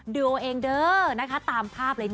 ดูเองเด้อตามภาพเลยนะ